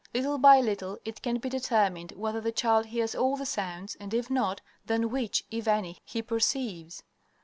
Little by little it can be determined whether the child hears all the sounds, and if not, then which, if any, he perceives.